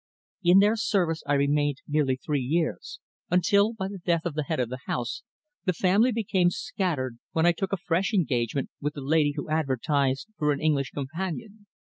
In their service I remained nearly three years, until, by the death of the head of the house, the family became scattered, when I took a fresh engagement with a lady who advertised for an English companion.